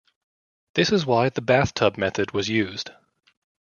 This is why the Bathtub method was used.